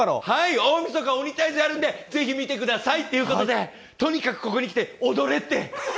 大みそか、「鬼タイジ」あるんで、ぜひ見てくださいということでとにかくここに来て踊れって！